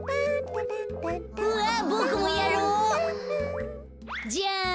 うわボクもやろう。じゃん！